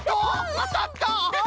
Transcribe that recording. あたった！？